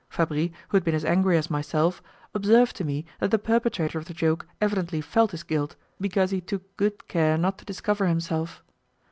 Fabris, who had been as angry as myself, observed to me that the perpetrator of the joke evidently felt his guilt, because he took good care not to discover himself.